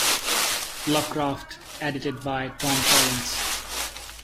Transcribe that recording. Lovecraft, edited by Tom Collins.